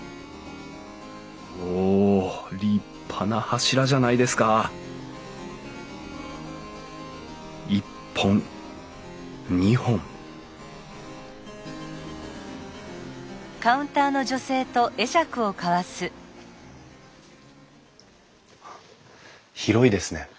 おお立派な柱じゃないですか１本２本広いですね。